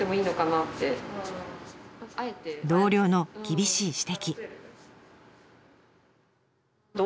同僚の厳しい指摘。